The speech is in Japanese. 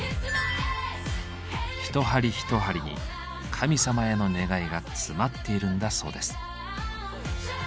一針一針に神様への願いが詰まっているんだそうです。